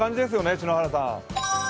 篠原さん。